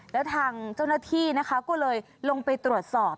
แล้วทางเจ้าหน้าที่นะคะก็เลยลงไปตรวจสอบ